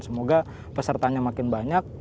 semoga pesertanya makin banyak